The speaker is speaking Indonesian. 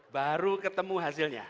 baru ketemu hasilnya